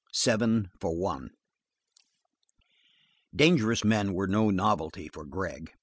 Seven For One Dangerous men were no novelty for Gregg.